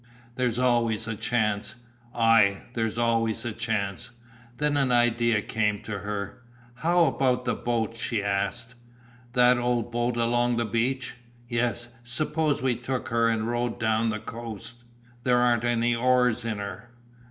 "There's always the chance." "Ay, there's always a chance." Then an idea came to her. "How about the boat?" she asked. "That old boat along the beach?" "Yes, suppose we took her and rowed down the coast." "There aren't no oars in her."